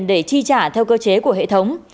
để chi trả theo cơ chế của hệ thống